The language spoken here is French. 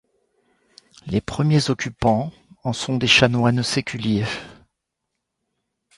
Les premiers occupants en sont des chanoines séculiers.